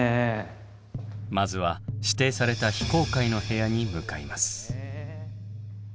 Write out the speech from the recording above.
まずは指定された非公開の部屋に向かいます。